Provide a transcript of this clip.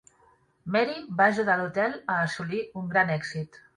Mary va ajudar a l'hotel a assolir un gran èxit.